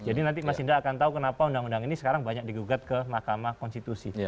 jadi nanti mas indra akan tahu kenapa undang undang ini sekarang banyak digugat ke makamah konstitusi